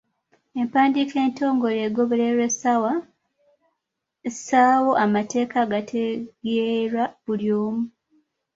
Empandiika entongole egobererwa essaawo amateeka agategeerwa buli omu.